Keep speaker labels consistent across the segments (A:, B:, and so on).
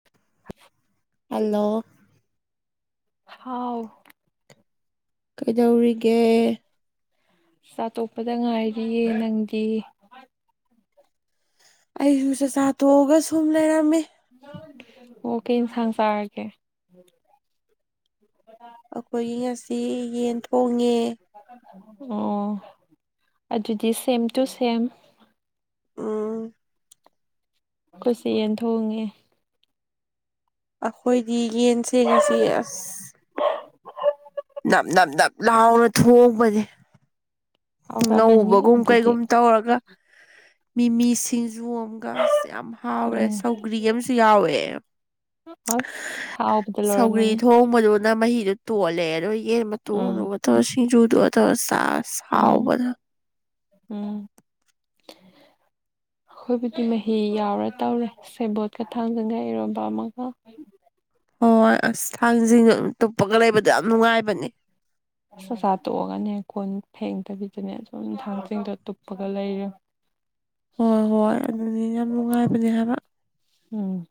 A: [inaudible]
B: hello
A: ꯍꯥꯎ
B: ꯀꯩꯗꯧꯔꯤꯒꯦ
A: ꯆꯥꯇꯣꯛꯄꯗ ꯉꯥꯏꯔꯤꯌꯦ ꯅꯪꯗꯤ
B: ꯑꯩꯁꯨ ꯆꯥꯛꯆꯥꯥ ꯇꯣꯛꯑꯒ ꯁꯨꯝ ꯂꯩꯔꯝꯃꯤ
A: ꯑꯣꯀꯦ ꯌꯦꯟꯁꯥꯡ ꯆꯥꯔꯒꯦ [inaudible]
B: ꯑꯩꯈꯣꯏꯒꯤ ꯉꯁꯤ ꯌꯦꯟ ꯊꯣꯡꯉꯦ
A: ꯑꯣ ꯑꯗꯨꯗꯤ ꯁꯦꯝ ꯇꯨ ꯁꯦꯝ
B: ꯑꯥ
A: ꯑꯩꯈꯠꯁ ꯌꯦꯟ ꯊꯣꯡꯉꯦ
B: ꯑꯩꯈꯣꯏꯗꯤ ꯌꯦꯟꯁꯦ ꯑꯁꯤ ꯑꯁ
A: [unintelligible]
B: ꯅꯝ ꯅꯝ ꯅꯞ ꯂꯥꯎꯅ ꯊꯣꯡꯕꯅꯦ
A: ꯍꯥꯎꯔꯝꯃꯅꯤ
B: ꯉꯧꯕꯒꯨꯝ
A: ꯑꯗꯨꯗꯤ
B: ꯀꯩꯒꯨꯝ ꯇꯧꯔꯒ ꯃꯤꯃꯤ ꯁꯤꯡꯖꯨ ꯑꯃꯒ ꯑꯁ ꯌꯥꯝ ꯍꯥꯎꯔꯦ
A: ꯎꯝ
B: ꯁꯧꯒ꯭ꯔꯤ ꯑꯃꯁꯨ ꯌꯥꯎꯋꯦ
A: ꯑꯁ ꯍꯥꯎꯕꯗ
B: ꯁꯧꯒ꯭ꯔꯤ
A: ꯂꯣꯏꯔꯝꯃꯅꯤ
B: ꯊꯣꯡ ꯊꯣꯡꯕꯗꯨꯅ ꯃꯍꯤꯗꯨ ꯇꯣꯜꯂꯦ ꯑꯗꯣ ꯌꯦꯟ
A: ꯎꯝ
B: ꯃꯇꯣꯡꯗꯨꯒ ꯇꯧꯔ ꯁꯤꯡꯖꯨꯗꯨꯒ ꯇꯧꯔ ꯆꯥꯁꯤ
A: ꯎꯝ ꯎꯝ
B: [unintelligible]
A: ꯑꯩꯈꯣꯏꯕꯨꯗꯤ ꯃꯍꯤ ꯌꯥꯎꯔ ꯇꯧꯔꯦ ꯁꯦꯕꯣꯠꯀ ꯊꯥꯡꯖꯟꯒ ꯏꯔꯣꯕ ꯑꯃꯒ
B: ꯍꯣꯏ ꯍꯣꯏ ꯑꯁ ꯊꯥꯡꯖꯤꯡ ꯇꯨꯞꯄꯒ ꯂꯩꯕꯗ ꯌꯥꯝ ꯅꯨꯡꯉꯥꯏꯕꯅꯦ
A: ꯑ ꯆꯥꯛꯆꯥ ꯇꯣꯛꯑꯒꯅꯦ ꯈꯣꯟ ꯐꯦꯡꯗꯕꯤꯗꯨꯅꯦ ꯁꯝ ꯊꯥꯡꯖꯤꯡꯗꯣ ꯇꯨꯞꯄꯒ ꯂꯩꯔꯕ
B: ꯍꯣꯏ ꯍꯣꯏ ꯑꯗꯨꯅꯦ ꯌꯥꯝ ꯅꯨꯡꯉꯥꯏꯕꯅꯦ ꯍꯥꯏꯕ
A: ꯑꯝ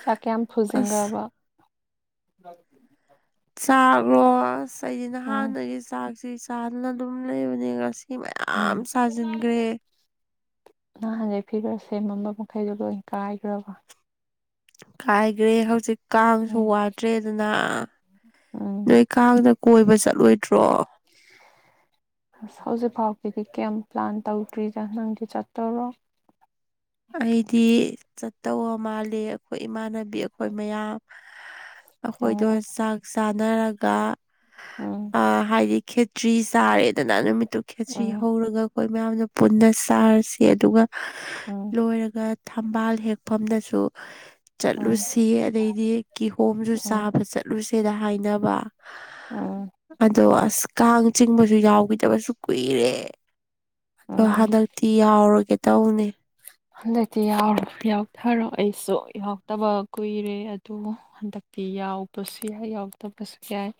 A: ꯆꯥꯛ ꯀꯌꯥꯝ
B: ꯑꯁ
A: ꯐꯨꯖꯤꯟꯈ꯭ꯔꯕ
B: ꯆꯥꯛꯔꯣ ꯑꯁ ꯑꯩꯗꯤ ꯅ
A: ꯎꯝ
B: ꯍꯥꯟꯅꯒꯤ ꯆꯥꯛꯁꯤ ꯆꯥꯗꯅ ꯑꯗꯨꯝ ꯂꯩꯕꯅꯦ ꯉꯁꯤ
A: ꯎꯝ
B: ꯃꯌꯥꯝ ꯁꯥꯁꯤꯟꯈ꯭ꯔꯦ
A: ꯅꯍꯥꯟꯒꯩ ꯐꯤꯔ ꯁꯦꯃꯝꯕ ꯃꯈꯩꯗꯣ ꯂꯣꯏ ꯀꯥꯏꯈ꯭ꯔꯕ
B: ꯀꯥꯏꯈ꯭ꯔꯦ ꯍꯧꯖꯤꯛ ꯀꯥꯡꯁꯨ
A: ꯎꯝ
B: ꯋꯥꯗ꯭ꯔꯦ ꯑꯗꯨꯅ
A: ꯎꯝ
B: ꯅꯣꯏ ꯀꯥꯡꯗ ꯀꯣꯏꯕ ꯆꯠꯂꯣꯏꯗ꯭ꯔꯣ
A: ꯍꯧꯖꯤꯛ ꯐꯥꯎꯒꯤꯗꯤ ꯀꯦꯝ ꯄ꯭ꯂꯥꯟ ꯇꯧꯗ꯭ꯔꯤꯗ ꯅꯪꯗꯤ ꯆꯠꯇꯣꯔꯣ
B: ꯑꯩꯗꯤ ꯆꯠꯇꯧ ꯃꯥꯜꯂꯤ ꯑꯩꯈꯣꯏ ꯏꯃꯥꯟꯅꯕꯤ ꯑꯩꯈꯣꯏ ꯃꯌꯥꯝ ꯑꯩꯈꯣꯏꯗꯣ
A: ꯑꯣ
B: ꯆꯥꯛ ꯆꯥꯅꯔꯒ
A: ꯎꯝ
B: ꯑ ꯍꯥꯏꯗꯤ ꯈꯦꯆꯤ ꯆꯥꯔꯦꯗꯅ ꯅꯨꯃꯤꯠꯇꯨ ꯈꯦꯆꯤ
A: ꯎꯝ
B: ꯍꯧꯔꯒ ꯑꯩꯈꯣꯏ ꯃꯌꯥꯝꯗ ꯄꯨꯟꯅ ꯆꯔꯁꯤ ꯑꯗꯨꯒ
A: ꯎꯝ
B: ꯂꯣꯏꯔꯒ ꯊꯝꯕꯥꯜ ꯍꯦꯛꯐꯝꯗꯁꯨ
A: ꯎꯝ
B: ꯆꯠꯂꯨꯁꯤ ꯑꯗꯩꯗꯤ ꯀꯤꯍꯣꯝꯁꯨ
A: ꯎꯝ
B: ꯆꯥꯕ ꯆꯠꯂꯨꯁꯦꯗ ꯍꯥꯏꯅꯕ
A: ꯎꯝ
B: ꯑꯗꯣ ꯑꯁ ꯀꯥꯡ ꯆꯤꯡꯕꯁꯨ ꯌꯥꯎꯈꯤꯗꯕꯁꯨ ꯀꯨꯏꯔꯦ
A: ꯎꯝ
B: ꯍꯥꯗꯛꯇꯤ ꯌꯥꯎꯔꯒꯦ ꯇꯧꯅꯦ
A: ꯍꯟꯗꯛꯇꯤ ꯌꯥꯎꯔꯣ ꯌꯥꯎꯊꯔꯣ ꯑꯩꯁꯨ ꯌꯥꯎꯇꯕ ꯀꯨꯏꯔꯦ ꯑꯗꯨ ꯍꯟꯗꯛꯇꯤ ꯌꯥꯎꯕꯁꯨ ꯌꯥꯏ ꯌꯥꯎꯗꯕꯁꯨ ꯌꯥꯏ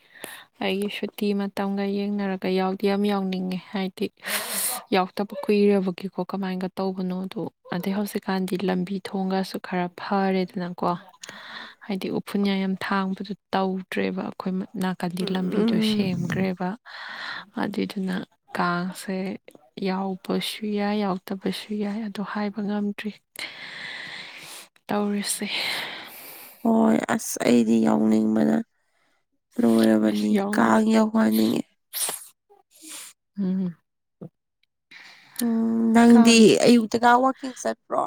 A: ꯑꯩꯒꯤ ꯁꯨꯇꯤ ꯃꯇꯝꯒ ꯌꯦꯡꯅꯔꯒ ꯌꯥꯎꯗꯤ ꯌꯥꯝ ꯌꯥꯎꯅꯤꯡꯉꯦ ꯍꯥꯏꯗꯤ ꯌꯥꯎ ꯇꯄ ꯀꯨꯏꯔꯕꯒꯤ ꯀꯃꯥꯏꯒ ꯇꯧꯕꯅꯣ ꯑꯣ ꯑꯗꯩ ꯍꯧꯖꯤꯛꯀꯥꯟꯗꯤ ꯂꯝꯕꯤ ꯊꯣꯡꯒꯥꯁꯨ ꯈꯔ ꯐꯥꯔꯦꯗꯅꯀꯣ ꯍꯥꯏꯗꯤ ꯎꯐꯨꯟ ꯌꯥ-ꯌꯥꯝ ꯊꯥꯡꯕꯗꯨ ꯇꯧꯗ꯭ꯔꯦꯕ ꯑꯩꯈꯣꯏ ꯃꯥ ꯅꯥꯀꯟꯗꯤ ꯂꯝꯕꯤꯗꯨ
B: ꯎꯝ
A: ꯁꯦꯝꯒ꯭ꯔꯦꯕ ꯑꯗꯨꯏꯗꯨꯅ ꯀꯥꯁꯦ ꯌꯥꯎꯕꯁꯨ ꯌꯥꯏ ꯌꯥꯎꯗꯕꯁꯨ ꯌꯥꯏ ꯑꯗꯨ ꯍꯥꯏꯕ ꯉꯝꯗ꯭ꯔꯤ ꯇꯧꯔꯤꯁꯦ
B: ꯍꯣꯏ ꯑꯁ ꯑꯩꯗꯤ ꯌꯥꯎꯅꯤꯡꯕꯅ
A: ꯑꯁ
B: ꯂꯣꯏꯔꯕꯅꯤ
A: ꯌꯥꯎꯅꯤ
B: ꯀꯥꯡ ꯋꯥꯎꯍꯥꯟꯅꯤꯡꯉꯦ
A: ꯎꯝ
B: ꯎꯝ ꯅꯪꯗꯤ
A: ꯀꯥꯡꯒꯤ
B: ꯑꯌꯨꯛꯇꯒ ꯋꯥꯛꯀꯤꯡ ꯆꯠꯄ꯭ꯔꯣ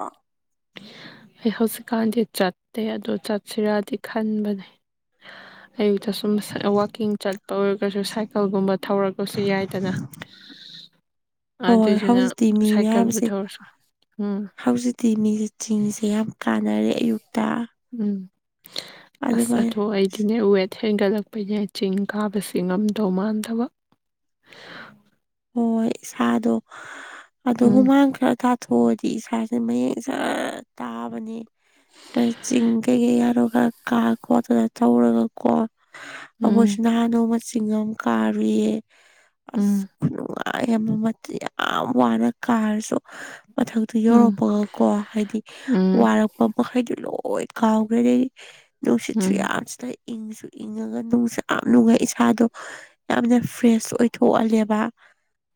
A: ꯑꯩ ꯍꯧꯖꯤꯛꯀꯥꯟꯗꯤ ꯆꯠꯇꯦ ꯑꯗꯨ ꯆꯠꯁꯤꯔꯗꯤ ꯈꯟꯕꯅꯦ
B: [unintelligible]
A: ꯑꯌꯨꯛꯇ ꯁꯨꯝ ꯋꯀꯤꯡ ꯆꯠꯄ ꯑꯣꯏꯔꯒꯁꯨ ꯁꯥꯏꯀꯜꯒꯨꯝꯕ ꯊꯧꯔ ꯀꯁꯨ ꯌꯥꯏꯗꯅ
B: ꯍꯣꯏ
A: ꯑꯗꯨꯏꯗꯨꯅ
B: ꯍꯧꯖꯤꯛꯇꯤ ꯃꯤ
A: ꯁꯥꯏꯀꯜꯕꯨ ꯊꯧꯔꯁꯨ ꯎꯝ
B: ꯇꯤꯃꯤꯁꯦ ꯆꯤꯡꯁꯦ ꯌꯥꯝ ꯀꯥꯟꯅꯔꯦ ꯑꯌꯨꯛꯇ
A: ꯎꯝ ꯑꯁ
B: ꯑꯗꯨꯃꯥꯏꯅ
A: ꯑꯗꯣ ꯑꯩꯗꯤꯅꯦ ꯎꯋꯦꯟ ꯍꯦꯟꯒꯠꯂꯛꯄꯩꯅꯦ ꯆꯤꯡ ꯀꯥꯕꯁꯤ ꯉꯝꯗꯧ ꯃꯥꯟꯗꯕ
B: ꯍꯣꯏ ꯏꯁꯥꯗꯣ ꯑꯗꯨꯒꯨꯝ
A: ꯎꯝ
B: ꯍꯨꯃꯥꯡ ꯈꯔꯥ ꯀꯥꯏ ꯊꯣꯛꯑꯗꯤ ꯏꯁꯥꯁꯦ ꯃꯌꯦꯡ ꯖꯖ꯭ꯔ ꯇꯥꯕꯅꯦ ꯆꯤꯡꯒꯩ ꯌꯥꯎꯔꯣꯒ ꯀꯥꯡ ꯀꯣꯠꯇꯅ ꯇꯧꯔꯒ ꯀꯣ ꯑꯈꯣꯏꯁꯨ
A: ꯎꯝ
B: ꯅꯍꯥꯟ ꯅꯣꯡꯃꯥ ꯆꯤꯡ ꯑꯃ ꯀꯥꯔꯨꯏꯌꯦ ꯑꯁ
A: ꯎꯝ
B: ꯅꯨꯡꯉꯥꯏꯌꯦꯕ ꯃꯇꯦꯛ ꯌꯥꯝ ꯋꯥꯅ ꯀꯥꯔꯥꯁꯨ ꯃꯊꯛꯇꯨ
A: ꯎꯝ
B: ꯌꯧꯔꯛꯄꯒꯀꯣ ꯍꯥꯏꯗꯤ
A: ꯎꯝ
B: ꯋꯥꯔꯛ ꯃꯃꯥꯈꯩꯗꯨ ꯂꯣꯏ ꯀꯥꯎꯒ꯭ꯔꯦꯗꯤ ꯅꯨꯡꯁꯤꯠꯁꯨ
A: ꯎꯝ
B: ꯌꯥꯝ ꯁꯤꯠꯂꯤ ꯏꯪꯁꯨ ꯏꯪꯉꯥꯒ ꯅꯨꯡꯁꯨ ꯌꯥꯝ ꯅꯨꯡꯉꯥꯏ ꯏꯁꯥꯗꯣ ꯌꯥꯝꯅ ꯐ꯭ꯔꯦꯁ ꯑꯣꯏꯊꯣꯛꯍꯜꯂꯦꯕ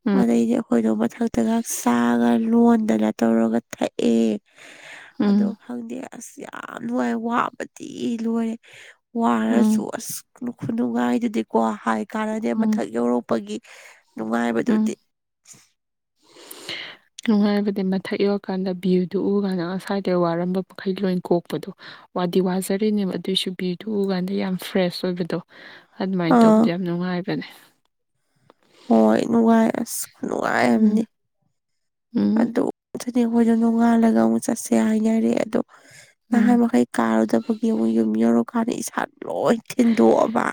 A: ꯎꯝ
B: ꯑꯗꯩꯗꯤ ꯑꯩꯈꯣꯏꯗꯣ ꯃꯊꯛꯇꯒ ꯆꯥꯒ ꯂꯣꯟꯗꯅ ꯇꯧꯔꯒ ꯊꯛꯑꯦ
A: ꯎꯝ
B: ꯑꯗꯣ ꯈꯪꯗꯦ ꯑꯁ ꯌꯥꯝ ꯅꯨꯡꯉꯥꯏ ꯋꯥꯕꯗꯤ ꯂꯣꯏꯔꯦ ꯋꯥꯔꯥꯁꯨ
A: ꯎꯝ
B: ꯑꯁ ꯈꯨꯅꯨꯡꯉꯥꯏꯗꯨꯗꯤꯀꯣ ꯍꯥꯏ ꯀꯥꯟꯅꯗꯦ
A: ꯎꯝ
B: ꯃꯊꯛ ꯌꯧꯔꯛꯄꯒꯤ ꯅꯨꯡꯉꯥꯏꯕꯗꯨꯗꯤ
A: ꯎꯝ ꯅꯨꯡꯉꯥꯏꯕꯗꯤ ꯃꯊꯛ ꯌꯧꯔꯀꯥꯟꯗ ꯚ꯭ꯌꯨꯗꯨ ꯎ ꯀꯥꯟꯗ ꯉꯁ꯭ꯥꯏꯗꯩ ꯋꯥꯔꯝꯕ ꯃꯈꯩ ꯂꯣꯏ ꯀꯣꯛꯄꯗꯣ ꯋꯥꯗꯤ ꯋꯥꯖꯥꯔꯤꯅꯦꯕ ꯑꯗꯨꯏꯁꯨ ꯕꯤꯎꯗꯨ ꯎ ꯀꯥꯟꯗ ꯌꯥꯝ ꯐ꯭ꯔꯦꯁ ꯑꯣꯏꯕꯗꯣ ꯑꯗꯨꯃꯥꯏ
B: ꯑꯥ
A: ꯇꯧꯕꯗꯣ ꯌꯥꯝ ꯅꯨꯡꯉꯥꯏꯕꯅꯦ
B: ꯍꯣꯏ ꯅꯨꯡꯉꯥꯏ ꯑꯁ ꯈꯨꯅꯨꯡꯉꯥꯏ
A: ꯎꯝ
B: ꯑꯝꯅꯤ
A: ꯎꯝ
B: ꯑꯗꯨ ꯆꯅꯤ ꯑꯩꯈꯣꯏꯗ ꯅꯣꯡꯉꯥꯜꯂꯒ ꯑꯃꯨꯛ ꯆꯠꯁꯦ ꯍꯥꯏꯅꯔꯥꯔꯦ ꯑꯗꯣ ꯅꯍꯥꯟ
A: ꯎꯝ
B: ꯃꯈꯩ ꯀꯥꯔꯨꯗꯕꯒꯤ ꯑꯃꯨꯛ ꯌꯨꯝ ꯌꯧꯔꯀꯥꯟꯗ ꯏꯁꯥ ꯂꯣꯏ ꯊꯤꯟꯗꯣꯛꯑꯕ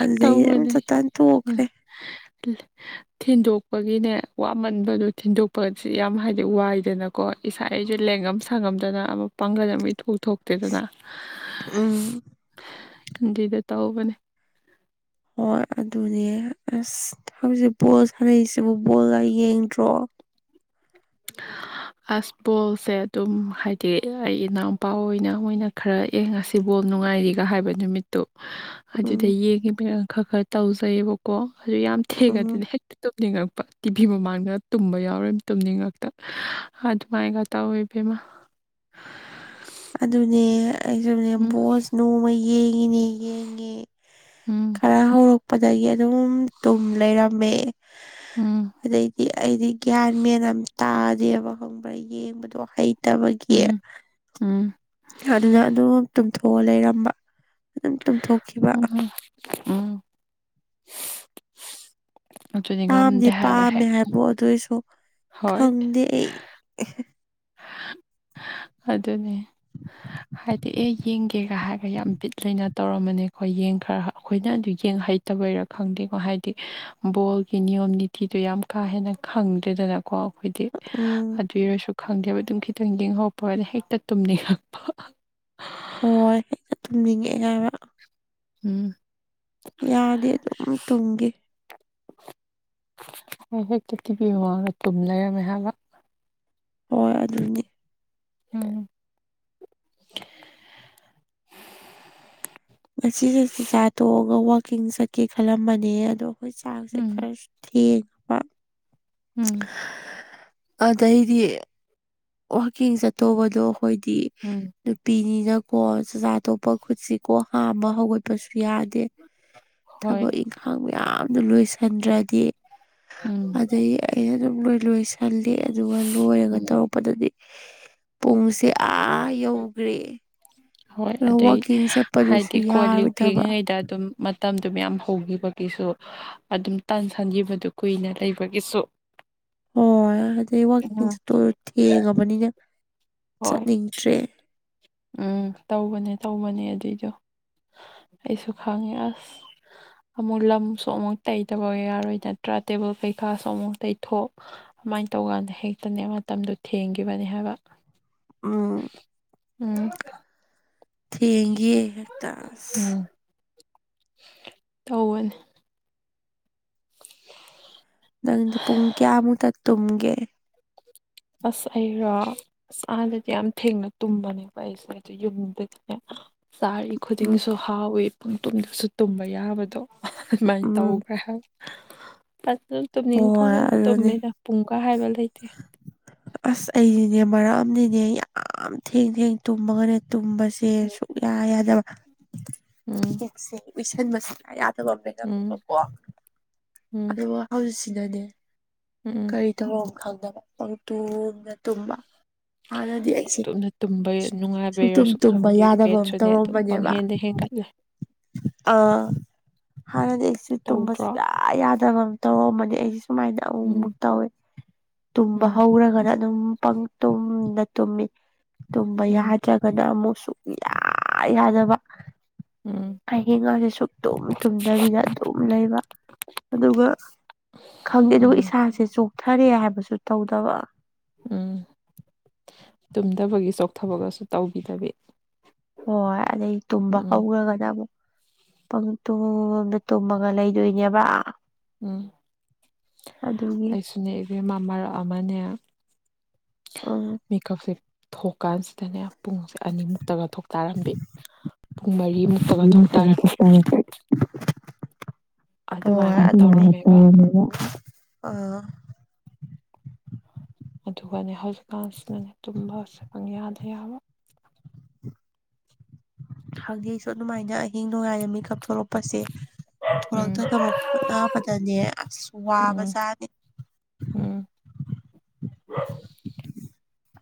B: ꯑꯗꯨꯗꯩ ꯑꯝ
A: ꯇꯧꯕꯅꯦ
B: ꯆꯇꯥꯥꯟ ꯇꯣꯛꯈ꯭ꯔꯦ
A: [inaudible] ꯊꯤꯟꯗꯣꯛꯄꯒꯤꯅꯦ ꯋꯥꯃꯟꯕꯗꯣ ꯊꯤꯟꯗꯣꯛꯄꯁꯤ ꯌꯥꯝ ꯍꯥꯏꯗꯤ ꯋꯥꯏꯗꯅ ꯀꯣ ꯏꯁꯥ ꯑꯩꯖꯨ ꯂꯦꯡꯉꯝ ꯁꯥꯉꯝꯗꯅ ꯑꯃꯛ ꯄꯥꯡꯒꯜ ꯑꯃ ꯏꯊꯣꯛ-ꯊꯣꯛ ꯇ꯭ꯔꯦꯗꯅ
B: ꯎꯝ
A: ꯑꯗꯤꯗ ꯇꯧꯕꯅꯦ
B: ꯍꯣꯏ ꯑꯗꯨꯅꯦ ꯑꯁ ꯍꯧꯖꯤꯛ ꯕꯣꯜ ꯁꯥꯟꯅꯩꯁꯤꯕꯨ ꯕꯣꯜꯒ ꯌꯦꯡꯗ꯭ꯔꯣ [inaudible]
A: ꯑꯁ ꯕꯣꯜꯁꯦ ꯑꯗꯨꯝ ꯍꯥꯏꯗꯤ ꯑꯩ ꯏꯅꯥꯎꯄꯥ ꯑꯣꯏꯅ ꯃꯣꯏꯅꯥ ꯈꯔ ꯑꯦ ꯉꯁꯤ ꯕꯣꯜ ꯅꯨꯡꯉꯥꯏꯔꯤꯒ ꯍꯥꯏꯕ ꯅꯨꯃꯤꯠꯇꯨ
B: [inaudible]
A: ꯑꯗꯨꯗ ꯌꯦꯡꯉꯤꯕꯤ ꯈꯔ-ꯈꯔ ꯇꯧꯖꯩꯑꯕꯀꯣ ꯑꯗꯨ ꯌꯥꯝ
B: ꯎꯝ
A: ꯊꯦꯡꯉꯗꯤꯅꯦ ꯍꯦꯛ ꯇꯨꯝꯅꯤꯡꯉꯛꯄ ꯇꯤꯚꯤ ꯃꯃꯥꯟꯗ ꯇꯨꯝꯕ ꯌꯥꯎꯔꯦ ꯇꯨꯝꯅꯤꯡꯉꯛꯄ ꯑ ꯑꯗꯨ ꯃꯥꯥꯏꯒ ꯇꯧꯏ ꯏꯕꯦꯝꯃ
B: ꯑꯗꯨꯅꯦ ꯑꯩꯁꯨꯅꯦ
A: ꯎꯝ
B: ꯕꯣꯁ ꯅꯣꯡꯃ ꯌꯦꯡꯉꯤꯅꯦ ꯌꯦꯡꯉꯦ
A: ꯎꯝ
B: ꯈꯔ ꯍꯧꯔꯛꯄꯗꯒꯤ ꯑꯗꯨꯝ ꯇꯨꯝ ꯂꯩꯔꯝꯃꯦ
A: ꯎꯝ
B: ꯑꯗꯩꯗꯤ ꯑꯩꯗꯤ ꯒ꯭ꯌꯥꯟ ꯃꯦꯟ ꯇꯥꯗꯦꯕ ꯈꯪꯕ꯭ꯔꯥ ꯌꯦꯡꯕꯗꯣ ꯍꯩꯇꯕꯒꯤ
A: ꯎꯝ ꯎꯝ
B: ꯑꯗꯨꯗ ꯑꯗꯨꯝ ꯇꯨꯝꯊꯣꯛꯑ ꯂꯩꯔꯝꯕ ꯑꯗꯨꯝ ꯇꯨꯝꯊꯣꯛꯈꯤꯕ
A: ꯎꯝ-ꯎꯝ ꯑꯗꯨꯗꯤ ꯉꯝꯗꯦ ꯍꯥꯏꯕ
B: ꯄꯥꯝꯗꯤ-ꯄꯥꯝꯃꯦ
A: ꯍꯦꯛꯇ
B: ꯍꯥꯏꯕꯣ ꯑꯗꯨꯏꯁꯨ ꯈꯪꯗꯦ ꯑꯩ
A: ꯑꯗꯨꯅꯤ
B: [inaudible]
A: ꯍꯥꯏꯗꯤ ꯑꯦ ꯌꯦꯡꯒꯦꯒꯥ ꯍꯥꯏꯔꯒ ꯌꯥꯝ ꯕꯤꯠ ꯂꯩꯅ ꯇꯧꯔꯝꯃꯅꯦ ꯑꯈꯣꯏ ꯌꯦꯡ ꯈꯔ ꯑꯩꯈꯣꯏꯅ ꯑꯗꯨ ꯌꯦꯡ ꯍꯩ ꯐꯠꯇꯕꯩꯔꯥ ꯈꯪꯗꯦꯀꯣ ꯍꯥꯏꯗꯤ ꯕꯣꯜꯒꯤ ꯅꯤꯌꯣꯝ ꯅꯤꯇꯤꯗꯣ ꯌꯥꯝ ꯀꯥ ꯍꯦꯟꯅ ꯈꯪꯗꯦꯗꯅ ꯀꯣ ꯑꯈꯣꯏꯗꯤ
B: ꯎꯝ
A: ꯑꯗꯨꯏꯔꯁꯨ ꯈꯪꯗꯦꯕ ꯑꯗꯨꯝ ꯈꯤꯇꯪ ꯂꯦꯡꯍꯧꯄꯒꯅꯦ ꯍꯦꯛꯇ ꯇꯨꯝꯅꯤꯡꯉꯛꯄ
B: ꯍꯣꯏ [unintelligible] ꯇꯨꯝꯅꯤꯡꯉꯛꯑꯦꯕ
A: ꯎꯝ
B: ꯌꯥꯗꯦ ꯑꯗꯨꯝ ꯇꯨꯝꯒꯤ
A: ꯍꯦ-ꯍꯦꯛꯛꯇ ꯇꯤꯕꯤ ꯃꯃꯥꯡꯗ ꯇꯨꯝ ꯂꯩꯔꯝꯃꯦ ꯍꯥꯏꯕ
B: ꯍꯣꯏ ꯑꯗꯨꯅꯤ
A: ꯎꯝ [unintelligible]
B: ꯉꯁꯤꯁꯦ ꯆꯤ ꯆꯥꯊꯣꯛꯑꯒ ꯋꯥꯛꯀꯤꯡ ꯆꯠꯀꯦ ꯈꯜꯂꯝꯕꯅꯦ ꯑꯗꯣ ꯑꯩꯈꯣꯏ ꯆꯥꯛꯁꯦ
A: ꯎꯝ
B: ꯈꯔ ꯊꯦꯡ
A: ꯎꯝ
B: ꯑꯗꯩꯗꯤ ꯋꯥꯥꯛꯀꯤꯡ ꯆꯠꯇꯧꯕꯗꯣ ꯑꯩꯈꯣꯏꯗꯤ
A: ꯎꯝ
B: ꯅꯨꯄꯤꯅꯤꯅꯀꯣ ꯆꯥꯛꯆꯥꯥ ꯊꯣꯛꯄ ꯈꯨꯠꯁꯤꯀꯣ ꯍꯥꯝꯕ ꯍꯧꯒꯠꯄꯁꯨ ꯌꯥꯗ
A: ꯍꯣꯏ
B: ꯊꯕꯛ ꯏꯪꯈꯥꯡ ꯃꯌꯥꯝꯅ ꯂꯣꯏꯁꯤꯟꯗ꯭ꯔꯗꯤ
A: ꯎꯝ
B: ꯑꯗꯒꯤ ꯑꯩꯅ ꯑꯗꯨꯝ ꯂꯣꯏ-ꯂꯣꯏꯁꯜꯂꯤ ꯑꯗꯨꯒ ꯂꯣꯏꯔꯒ
A: ꯎꯝ
B: ꯇꯧꯔꯛꯄ ꯄꯗꯗꯤ ꯄꯨꯡꯁꯦ ꯑꯥ ꯌꯧꯈ꯭ꯔꯦ
A: ꯍꯣꯏ
B: ꯑꯗꯣ
A: ꯑꯗꯩꯩ
B: ꯋꯥꯛꯀꯤꯡ ꯆꯠꯄꯗꯨꯁꯨ
A: ꯍꯥꯏꯗꯤ ꯀꯣꯟ ꯂꯤꯛ
B: ꯌꯥꯔꯣꯏꯗꯕ
A: ꯐꯦꯡꯉꯤꯉꯩꯗ ꯑꯗꯨꯝ ꯃꯇꯝꯗꯨ ꯃꯌꯥꯝ ꯍꯧꯈꯤꯕꯒꯤꯁꯨ ꯑꯗꯨꯝ ꯇꯟꯁꯟꯈꯤꯕꯗꯨ ꯀꯨꯏꯅ ꯂꯩꯕꯒꯤꯁꯨ
B: ꯍꯣꯏ ꯑꯗꯨꯗꯩ ꯋꯥꯛꯀꯤꯡ
A: ꯎꯝ
B: ꯆꯠꯇꯣꯏꯗꯣ ꯊꯦꯡꯉꯕꯅꯤꯅ
A: ꯍꯣꯏ
B: ꯆꯠꯅꯤꯡꯗ꯭ꯔꯦ
A: ꯎꯝ ꯇꯧꯕꯅꯦ-ꯇꯧꯕꯅꯦ ꯑꯗꯨꯏꯗꯣ ꯑꯩꯁꯨ ꯈꯪꯉꯦ ꯑꯁ ꯑꯃꯨꯛ ꯂꯝꯁꯨ ꯑꯃꯨꯛ ꯇꯩꯗꯕ ꯌꯥꯔꯣꯏ ꯅꯠꯇ꯭ꯔꯥ ꯇꯦꯕꯜ ꯀꯩꯀꯥꯁꯨ ꯑꯃꯨꯛ ꯇꯩꯊꯣꯛ ꯑꯗꯨꯃꯥꯏꯅ ꯇꯧꯀꯥꯟꯗ ꯍꯦꯛꯇꯅꯦ ꯃꯇꯝꯗꯨꯣ ꯊꯦꯡꯈꯤꯕꯅꯤ ꯍꯥꯏꯕ
B: ꯎꯝ
A: ꯎꯝ [unintelligible]
B: ꯊꯦꯡꯒꯤ ꯍꯦꯛꯇ ꯑꯁ
A: ꯎꯝ ꯇꯧꯋꯦ
B: ꯅꯪꯗꯤ ꯄꯨꯡ ꯀꯌꯥꯃꯨꯛꯇ ꯇꯨꯝꯒꯦ
A: ꯑꯁ ꯑꯩꯔꯣ ꯑꯁ ꯑꯥꯗꯗꯤ ꯌꯥꯝ ꯊꯦꯡꯅ ꯇꯨꯝꯕꯅꯦꯕ ꯑꯩꯁꯦ ꯑꯗꯨ ꯌꯨꯝꯗꯗꯤꯅꯦ ꯆꯥꯔꯤ
B: ꯎꯝ
A: ꯈꯨꯗꯤꯡꯁꯨ ꯍꯥꯎꯋꯤ ꯄꯨꯡ ꯇꯨꯝꯗꯁꯨ ꯇꯨꯝꯕ ꯌꯥꯕꯗꯣ ꯑꯗꯨꯃꯥꯏꯅ
B: ꯎꯝ
A: ꯇꯧꯈ꯭ꯔꯦ ꯐꯠꯇ
B: ꯍꯣꯏ
A: ꯇꯨꯝꯅꯤꯡꯉꯀꯥꯟꯗ
B: ꯑꯗꯨꯅꯦ
A: ꯇꯨꯝꯃꯤꯗ ꯄꯨꯡ ꯀ ꯍꯥꯏꯕ ꯂꯩꯇꯦ
B: ꯑꯁ ꯑꯩꯁꯤꯅꯦ ꯃꯔꯛ ꯑꯃꯅꯤꯅꯦ ꯌꯥꯝ ꯊꯦꯡ-ꯊꯦꯡ ꯇꯨꯝꯃꯒꯅꯦ ꯇꯨꯝꯕꯁꯤ ꯁꯦ ꯁꯨꯛꯌꯥ
A: ꯎꯝ
B: ꯌꯥꯗꯕꯁꯦ ꯎꯏꯁꯟꯕ ꯁꯨꯡꯌꯥ ꯌꯥꯗ
A: ꯎꯝ
B: ꯀꯣ
A: ꯎꯝ
B: ꯑꯗ ꯍꯧꯖꯤꯛꯁꯤꯅꯅꯦ
A: ꯎꯝ
B: ꯀꯔꯤ ꯊꯧꯔꯝ ꯈꯪꯗꯕ ꯄꯪ ꯇꯨꯡꯅ ꯇꯨꯝꯕ ꯍꯥꯟꯅꯗꯤ ꯑꯩꯁꯦ
A: ꯑꯗꯨꯝꯅ ꯇꯨꯝꯕ
B: ꯁꯨꯨꯡ ꯇꯨꯝ
A: ꯅꯨꯡꯉꯥꯏꯕꯩꯔꯁꯨ
B: ꯇꯨꯝꯕ
A: ꯈꯪꯗꯦ
B: ꯌꯥꯗꯕ ꯑꯃ
A: ꯋꯦꯠꯁꯨꯅꯦ ꯑꯗꯨꯝ
B: ꯇꯧꯔꯝꯕꯅꯦꯕ
A: ꯄꯪꯍꯦꯟꯗ ꯍꯦꯟꯒꯠꯂꯦ
B: ꯑꯥ ꯍꯥꯟꯅꯗꯤ ꯑꯩꯁꯨ ꯇꯨꯝꯕ
A: ꯇꯧꯗ꯭ꯔꯣ
B: ꯁꯨꯡꯌꯥ ꯌꯥꯗꯕ ꯑꯃ ꯇꯧꯔꯑꯝꯕꯅꯤ ꯑꯩꯁꯨ ꯁꯨꯃꯥꯏꯅ ꯑꯍꯨꯃꯨꯛ
A: ꯎꯝ
B: ꯇꯧꯋꯦ ꯇꯨꯝꯕ
A: ꯎꯝ
B: ꯍꯧꯔꯒꯅ ꯑꯗꯨꯝ ꯇꯨꯝꯅ ꯇꯨꯝꯃꯤ ꯇꯨꯝꯝꯕ
A: ꯎꯝ
B: ꯌꯥꯖ ꯑꯗ ꯑꯃꯨꯛ ꯁꯨꯡꯌꯥ ꯌꯥꯗꯕ
A: ꯎꯝ
B: ꯑꯍꯤꯡꯒꯥꯁꯦ ꯁꯨꯛ ꯇꯨꯝ ꯇꯨꯝꯗꯕꯤꯗ ꯑꯗꯨꯝ ꯂꯩꯕ ꯑꯗꯨꯒ ꯈꯪꯗꯦ ꯑꯗꯨꯒ
A: ꯎꯝ
B: ꯏꯁꯥꯁꯦ ꯆꯣꯛꯊꯔꯦ ꯍꯥꯏꯕꯁꯨ ꯇꯧꯗꯕ
A: ꯎꯝ ꯇꯨꯝꯗꯕꯒꯤ ꯆꯣꯛꯊꯕꯒꯁꯨ ꯇꯧꯈꯤꯗꯕꯤ
B: ꯍꯣꯏ ꯑꯗꯩ ꯇꯨꯝꯕ ꯍꯧꯈ꯭ꯔꯒꯅ ꯑꯃꯨꯛ ꯄꯪꯇꯨꯝꯗ ꯇꯨꯝꯃꯒ ꯂꯩꯗꯣꯏꯅꯦꯕ
A: ꯎꯝ
B: ꯑꯗꯨꯒꯤ
A: ꯑꯩꯁꯨꯅꯦ ꯏꯕꯦꯝꯃ ꯃꯔꯛ ꯑꯃꯅꯦ
B: ꯑꯣ
A: ꯃꯦꯀꯞꯁꯦ ꯊꯣꯛꯀꯥꯟꯁꯤꯗꯅꯦ ꯄꯨꯡꯁꯦ ꯑꯅꯤꯃꯨꯛꯇꯒ ꯊꯣꯛ ꯇꯥꯔꯝꯕꯤ ꯄꯨꯡ ꯃꯔꯤꯃꯨꯛꯇꯒ ꯊꯣꯛ ꯇꯥꯔꯝꯃꯤ
B: ꯑꯣ
A: ꯑꯗꯨꯃꯥꯏꯅ
B: ꯑꯥ
A: ꯇꯧꯔꯝꯃꯦꯕ ꯑꯗꯨꯒꯅꯦ ꯍꯧꯖꯤꯛꯀꯥꯟꯁꯤꯗꯅꯦ ꯇꯨꯝꯕ ꯁꯦ ꯄꯪ ꯌꯥꯗ ꯌꯥꯕ
B: ꯍꯧꯖꯤꯛꯁꯨ ꯑꯗꯨꯃꯥꯏꯅ ꯑꯍꯤꯡ ꯅꯨꯡꯌꯥꯏꯗ ꯃꯤ ꯀꯥꯞꯊꯣꯔꯛꯄꯁꯦ
A: ꯎꯝ
B: ꯊꯣꯛꯂꯛꯇꯗꯕ ꯑꯗꯅꯦ ꯑꯁ
A: ꯎꯝ
B: ꯋꯥꯕꯖꯥꯠꯅꯦ
A: ꯎꯝ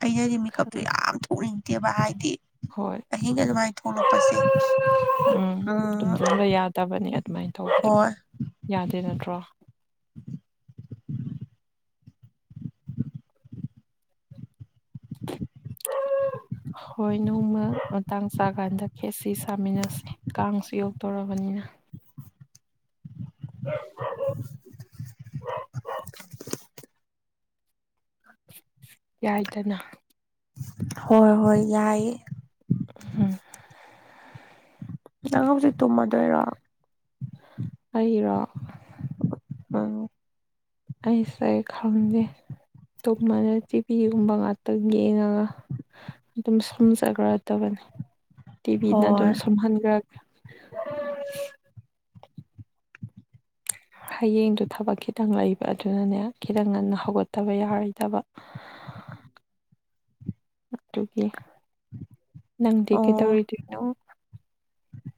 B: ꯑꯩꯅꯗꯤ ꯃꯦꯀꯞꯇꯨ
A: ꯈꯪ
B: ꯌꯥꯝ ꯊꯣꯛꯅꯤꯡꯗꯦꯕ ꯍꯥꯏꯗꯤ
A: ꯍꯣꯏ
B: ꯑꯍꯤꯡ ꯑꯗꯨꯃꯥꯏ ꯊꯣꯛꯂꯛꯄꯁꯦ
A: ꯎꯝ ꯇꯨꯝꯁꯤꯟꯕ ꯌꯥꯗꯕꯅꯦ ꯑꯗꯨꯃꯥꯏꯅ ꯇꯧꯕꯗꯤ
B: ꯍꯣꯏ
A: ꯌꯥꯗꯦ ꯅꯠꯇ꯭ꯔꯣ ꯍꯣꯏ ꯅꯣꯡꯃ ꯃꯇꯥꯡ ꯆꯥꯀꯥꯟꯗ ꯈꯦꯠꯁꯤ ꯁꯥꯃꯤꯟꯅꯁꯤ ꯀꯥꯡꯁꯨ ꯌꯣꯛꯇꯣꯔꯕꯅꯤꯅ ꯌꯥꯏꯗꯅ
B: ꯍꯣꯏ ꯍꯣꯏ ꯌꯥꯏꯑꯌꯦ
A: ꯎꯝ
B: ꯅꯪ ꯍꯧꯖꯤꯛ ꯇꯨꯝꯃꯗꯣꯏꯔꯣ
A: ꯑꯩꯔꯣ
B: ꯃꯪ
A: ꯑꯩꯁ ꯈꯪꯗꯦ ꯇꯨꯝꯃꯥꯅꯤ ꯇꯤꯚꯤꯒꯨꯝꯕ ꯉꯥꯛꯇꯪ ꯌꯦꯡꯉꯒ ꯑꯗꯨꯝ ꯁꯨꯝꯖꯈ꯭ꯔꯗꯕꯅꯦ ꯇꯤꯚꯤꯅ ꯑꯗꯨꯝ
B: ꯍꯣꯏ
A: ꯁꯨꯝꯍꯟꯈ꯭ꯔꯒ ꯍꯌꯦꯡꯗꯨ ꯊꯕꯛ ꯈꯤꯇꯪ ꯂꯩꯕ ꯑꯗꯨꯅꯅꯦ ꯈꯤꯇꯪ ꯉꯟꯅ ꯍꯧꯒꯠꯇꯕ ꯌꯥꯔꯣꯏꯗꯕ
B: [inaudible]
A: ꯑꯗꯨꯒꯤ ꯅꯪꯗꯤ
B: ꯑꯣ
A: ꯀꯩꯗꯧꯔꯤꯗꯣꯏꯅꯣ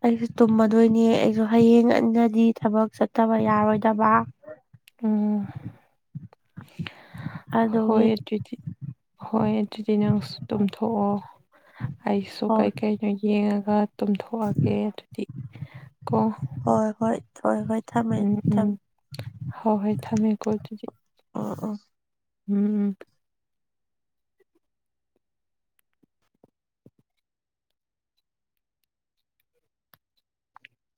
B: ꯑꯩꯁꯨ ꯇꯨꯝꯃꯗꯣꯏꯅꯦ ꯑꯩꯁꯨ ꯍꯌꯦꯡ ꯉꯥꯟꯅꯗꯤ ꯊꯕꯛ ꯆꯠꯇꯕ ꯌꯥꯔꯣꯏꯗꯕ
A: ꯎꯝ ꯍꯣꯏ
B: ꯑꯗꯨꯒꯤ
A: ꯑꯗꯨꯗꯤ ꯍꯣꯏ ꯑꯗꯨꯗꯤ ꯅꯪꯁꯨ ꯇꯨꯝꯊꯣꯛꯑꯣ ꯑꯩꯁꯨ
B: ꯍꯣꯏ
A: ꯀꯩꯀꯩ ꯌꯦꯡꯉꯒ ꯇꯨꯝꯊꯣꯛꯑꯒꯦ ꯑꯗꯨꯗꯤ ꯀꯣ
B: ꯍꯣꯏ ꯍꯣꯏ ꯍꯣꯏ ꯍꯣꯏ ꯊꯝꯃꯦ
A: ꯎꯝ ꯎꯝ
B: ꯊꯝ
A: ꯍꯣꯏ ꯍꯣꯏ ꯊꯝꯃꯦꯀꯣ ꯑꯗꯨꯗꯤ
B: ꯑꯣ ꯑꯣ
A: ꯎꯝ